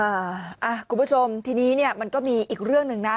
คุณผู้ชมทีนี้เนี่ยมันก็มีอีกเรื่องหนึ่งนะ